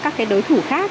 các cái đối thủ khác